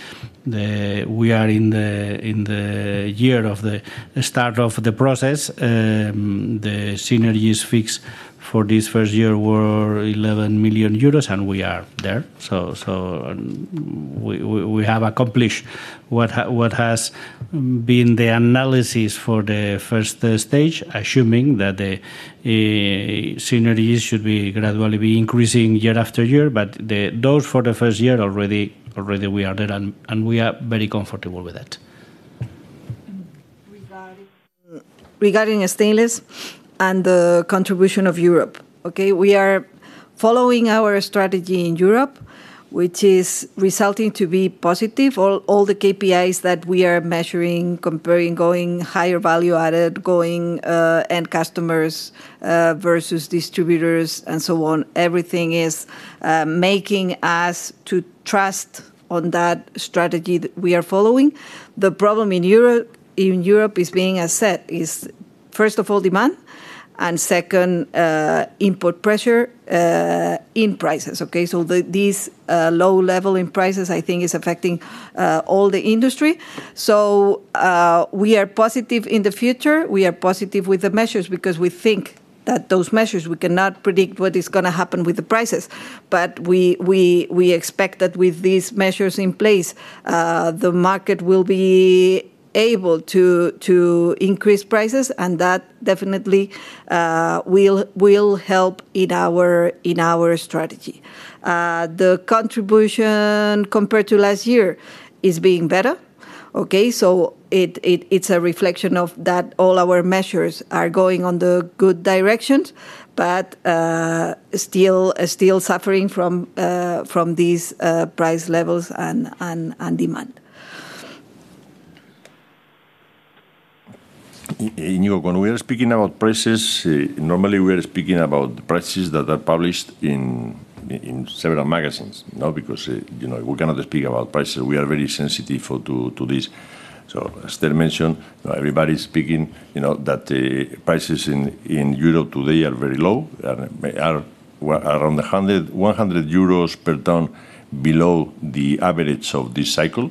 we are in the year of the start of the process. The synergies fixed for this first year were €11 million, and we are there. We have accomplished what has been the analysis for the first stage, assuming that the synergies should gradually be increasing year after year. Those for the first year, already we are there, and we are very comfortable with that. Regarding stainless and the contribution of Europe, we are following our strategy in Europe, which is resulting to be positive. All the KPIs that we are measuring, comparing, going higher value-added, going end customers versus distributors and so on, everything is making us trust on that strategy that we are following. The problem in Europe is being, as said, is first of all, demand, and second, import pressure in prices. These low levels in prices, I think, are affecting all the industry. We are positive in the future. We are positive with the measures because we think that those measures, we cannot predict what is going to happen with the prices. We expect that with these measures in place, the market will be able to increase prices, and that definitely will help in our strategy. The contribution compared to last year is being better. It's a reflection of that all our measures are going in the good direction, but still suffering from these price levels and demand. Inigo, when we are speaking about prices, normally we are speaking about the prices that are published in several magazines. Because we cannot speak about prices, we are very sensitive to this. As I mentioned, everybody is speaking that the prices in Europe today are very low. They are around €100 per ton below the average of this cycle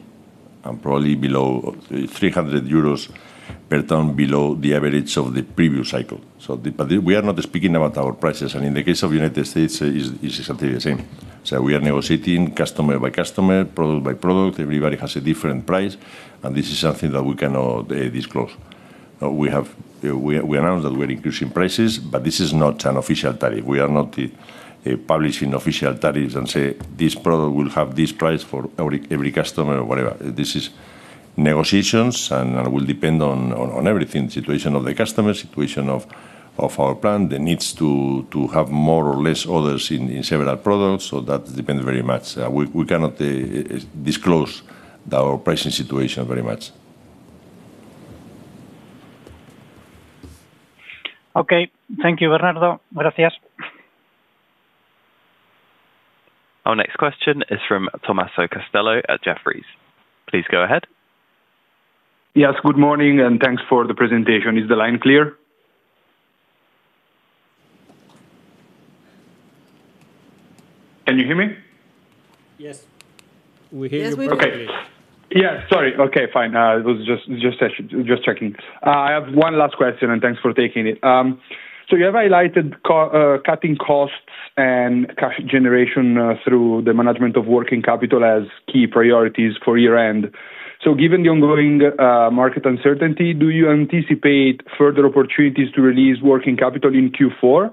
and probably below €300 per ton below the average of the previous cycle. We are not speaking about our prices. In the case of the United States, it's exactly the same. We are negotiating customer by customer, product by product. Everybody has a different price, and this is something that we cannot disclose. We announced that we are increasing prices, but this is not an official tariff. We are not publishing official tariffs and say, "This product will have this price for every customer," or whatever. This is negotiations, and it will depend on everything: the situation of the customers, the situation of our plant, the needs to have more or less orders in several products. That depends very much. We cannot disclose our pricing situation very much. Okay, thank you, Bernardo. Gracias. Our next question is from Tommaso Castello at Jefferies. Please go ahead. Yes. Good morning, and thanks for the presentation. Is the line clear? Can you hear me? Yes. Okay. Thank you. I have one last question, and thanks for taking it. You have highlighted cutting costs and cash generation through the management of working capital as key priorities for year-end. Given the ongoing market uncertainty, do you anticipate further opportunities to release working capital in Q4?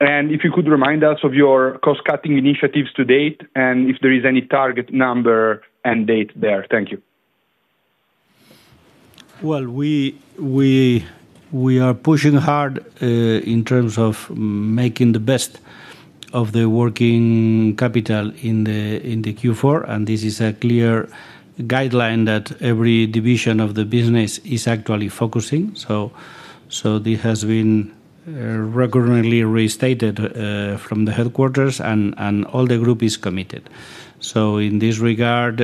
If you could remind us of your cost-cutting initiatives to date and if there is any target number and date there. Thank you. We are pushing hard in terms of making the best of the working capital in Q4, and this is a clear guideline that every division of the business is actually focusing on. This has been recurrently re-stated from the headquarters, and all the group is committed. In this regard,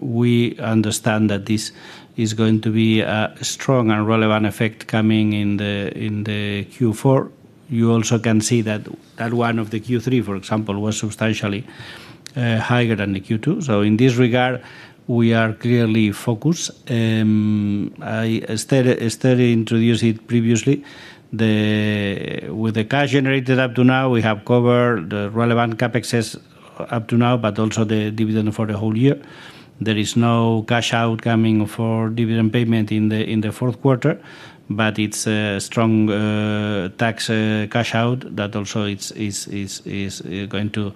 we understand that this is going to be a strong and relevant effect coming in Q4. You also can see that one of the Q3, for example, was substantially higher than Q2. In this regard, we are clearly focused. I started introducing it previously. With the cash generated up to now, we have covered the relevant CapEx up to now, but also the dividend for the whole year. There is no cash out coming for dividend payment in the fourth quarter, but it's a strong tax cash out that also is going to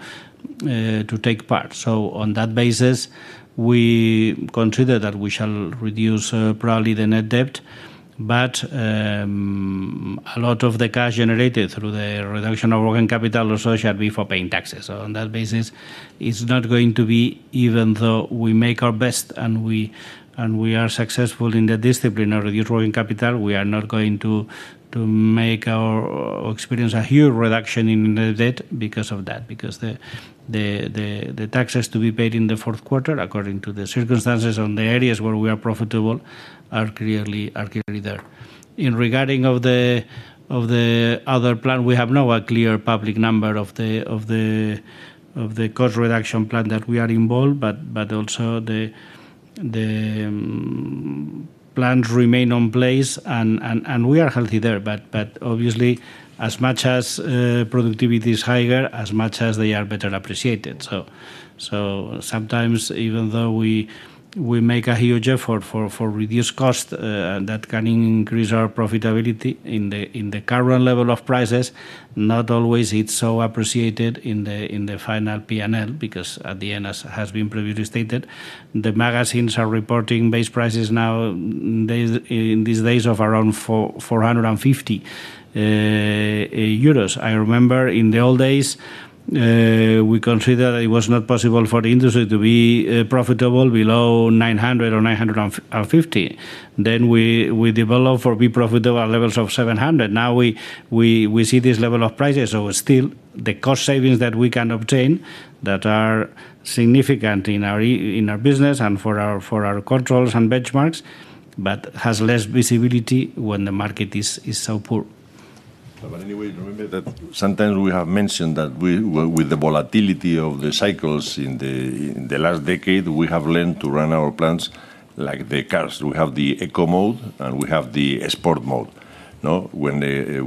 take part. On that basis, we consider that we shall reduce probably the net debt. A lot of the cash generated through the reduction of working capital also shall be for paying taxes. On that basis, it's not going to be, even though we make our best and we are successful in the discipline of reduced working capital, we are not going to make or experience a huge reduction in the debt because of that. The taxes to be paid in the fourth quarter, according to the circumstances on the areas where we are profitable, are clearly there. Regarding the other plan, we have no clear public number of the cost reduction plan that we are involved, but also the plans remain in place, and we are healthy there. Obviously, as much as productivity is higher, as much as they are better appreciated. Sometimes, even though we make a huge effort for reduced costs and that can increase our profitability in the current level of prices, not always it's so appreciated in the final P&L because at the end, as has been previously stated, the magazines are reporting base prices now in these days of around €450. I remember in the old days we considered that it was not possible for the industry to be profitable below €900 or €950. Then we developed for be profitable at levels of €700. Now we see this level of prices. Still, the cost savings that we can obtain that are significant in our business and for our controls and benchmarks, but has less visibility when the market is so poor. Anyway, remember that sometimes we have mentioned that with the volatility of the cycles in the last decade, we have learned to run our plans like the cars. We have the eco mode, and we have the sport mode. When we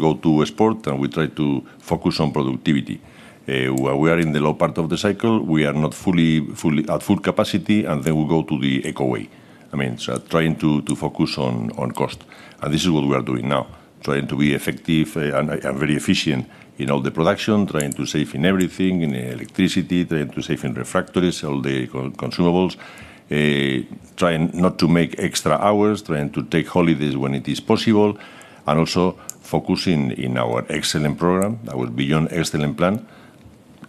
go to export, and we try to focus on productivity. Where we are in the low part of the cycle, we are not fully at full capacity, and then we go to the eco way. I mean, trying to focus on cost. This is what we are doing now: trying to be effective and very efficient in all the production, trying to save in everything, in electricity, trying to save in refractories, all the consumables. Trying not to make extra hours, trying to take holidays when it is possible, and also focusing on our excellent program, our Beyond Excellent plan.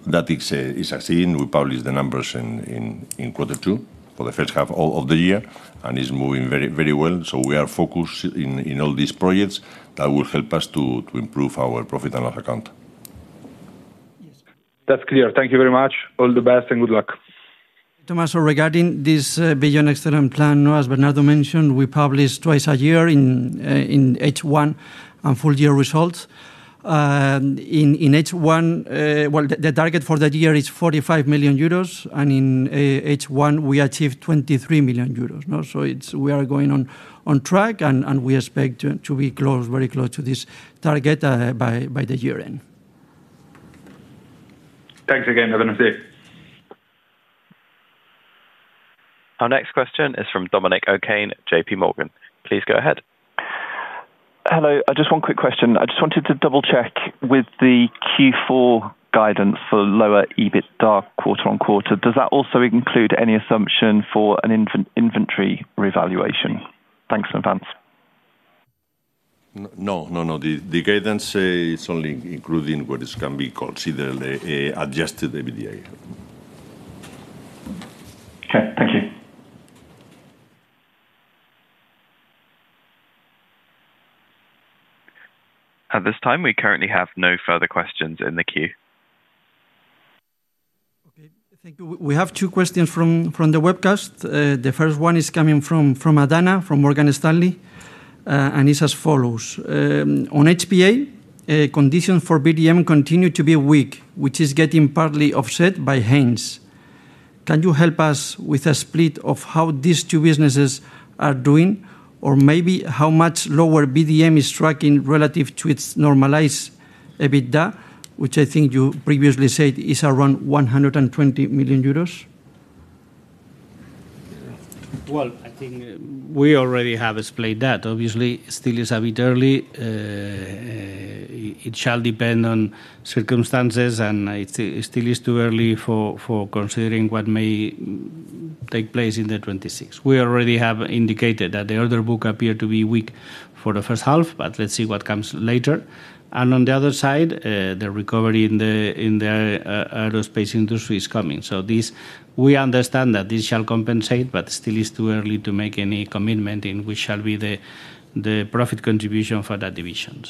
That is succeeding. We published the numbers in quarter two for the first half of the year, and it's moving very well. We are focused on all these projects that will help us to improve our profit and loss account. That's clear. Thank you very much. All the best and good luck. Tommaso, regarding this Beyond Excellent plan, as Bernardo mentioned, we publish twice a year in H1 and full year results. In H1, the target for the year is €45 million, and in H1 we achieved €23 million. We are going on track, and we expect to be very close to this target by the year-end. Thanks again. Have a nice day. Our next question is from Dominic O'Kane, JPMorgan Chase & Co. Please go ahead. Hello. I just have one quick question. I just wanted to double-check with the Q4 guidance for lower EBITDA quarter on quarter. Does that also include any assumption for an inventory revaluation? Thanks in advance. No, the guidance is only including what can be considered adjusted EBITDA. Okay, thank you. At this time, we currently have no further questions in the queue. Okay. Thank you. We have two questions from the webcast. The first one is coming from Adahna, from Morgan Stanley, and it's as follows. On high-performance alloys, conditions for VDM continue to be weak, which is getting partly offset by Haynes. Can you help us with a split of how these two businesses are doing, or maybe how much lower VDM is tracking relative to its normalized EBITDA, which I think you previously said is around €120 million? I think we already have explained that. Obviously, it still is a bit early. It shall depend on circumstances, and it still is too early for considering what may take place in 2026. We already have indicated that the order book appeared to be weak for the first half, but let's see what comes later. On the other side, the recovery in the aerospace industry is coming. We understand that this shall compensate, but it still is too early to make any commitment in which shall be the profit contribution for that division.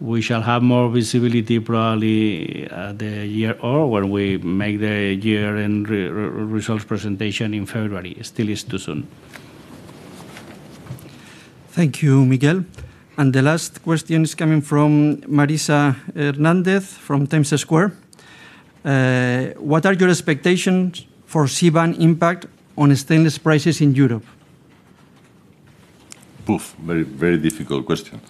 We shall have more visibility probably the year or when we make the year-end results presentation in February. It still is too soon. Thank you, Miguel. The last question is coming from Marisa Hernandez from Times Square. What are your expectations for CBAM impact on stainless prices in Europe? Very difficult question.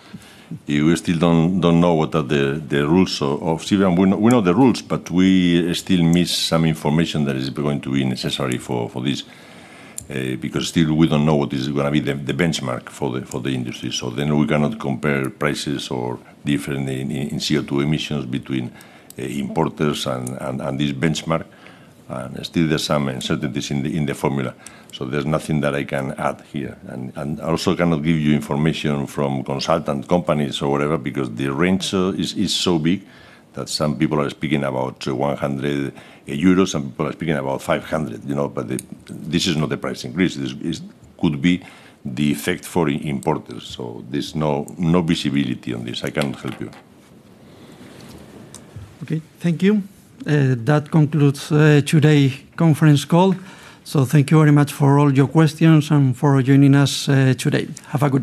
We still don't know what the rules are of CBAM. We know the rules, but we still miss some information that is going to be necessary for this. Because still, we don't know what is going to be the benchmark for the industry. We cannot compare prices or different CO2 emissions between importers and this benchmark. There are some uncertainties in the formula. There is nothing that I can add here. I also cannot give you information from consultant companies or whatever because the range is so big that some people are speaking about €100, some people are speaking about €500. This is not the price increase. This could be the effect for importers. There is no visibility on this. I cannot help you. Okay. Thank you. That concludes today's conference call. Thank you very much for all your questions and for joining us today. Have a good day.